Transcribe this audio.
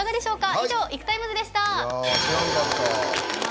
以上「ＩＫＵＴＩＭＥＳ」でした。